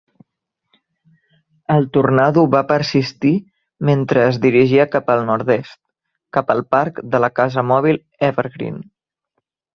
El tornado va persistir mentre es dirigia cap al nord-est, cap al parc de la casa mòbil Evergreen.